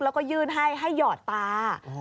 แล้วก็ยื่นให้ให้หยอดตา